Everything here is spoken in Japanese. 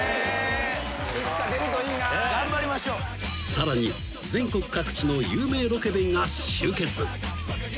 ［さらに全国各地の有名ロケ弁が集結］